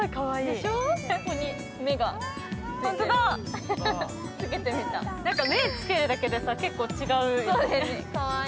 目、つけるだけで結構違うよね。